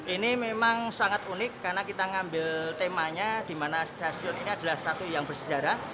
ini memang sangat unik karena kita ngambil temanya di mana stasiun ini adalah satu yang bersejarah